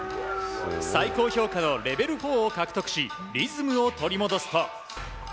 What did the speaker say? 最高評価のレベル４を獲得しリズムを取り戻すと。